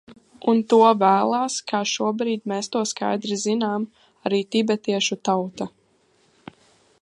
Un to vēlas, kā šobrīd mēs to skaidri zinām, arī tibetiešu tauta.